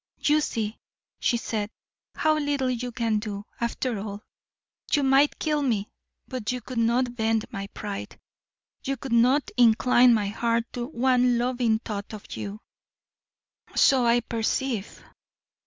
"You see," she said, "how little you can do, after all. You might kill me, but you could not bend my pride; you could not incline my heart to one loving thought of you." "So I perceive.